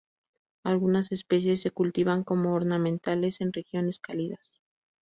Algunas especies se cultivan como ornamentales en regiones cálidas.